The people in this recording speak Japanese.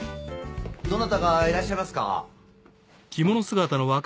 どなたかいらっしゃいますか？